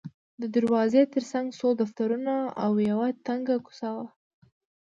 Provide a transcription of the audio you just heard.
د دروازې ترڅنګ څو دفترونه او یوه تنګه کوڅه وه.